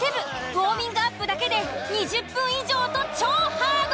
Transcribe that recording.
ウオーミングアップだけで２０分以上と超ハード。